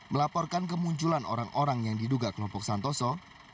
melaporkan kemunculan orang orang yang diduga kelompok santoso